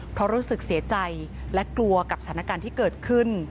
เพราะรู้สึกเสียใจและกลัวกับสถานการณ์ที่เกิดขึ้น